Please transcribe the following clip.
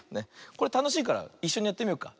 これたのしいからいっしょにやってみようか。